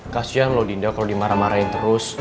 kasian loh dinda kalau dimarah marahin terus